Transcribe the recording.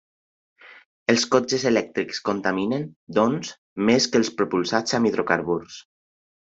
Els cotxes elèctrics contaminen, doncs, més que els propulsats amb hidrocarburs.